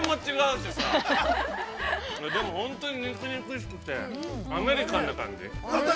でも本当に肉々しくてアメリカンな感じ。